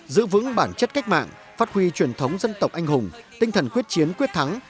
giữ vững bản chất cách mạng phát huy truyền thống dân tộc anh hùng tinh thần quyết chiến quyết thắng